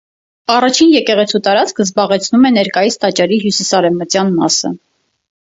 Առաջին եկեղեցու տարածքը զբաղեցնում է ներկայիս տաճարի հյուսիսարևմտյան մասը։